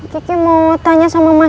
kiki mau tanya sama mas randy